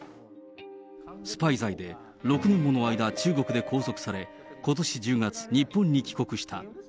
スパイ罪で６年もの間中国で拘束され、ことし１０月、日本に帰国した。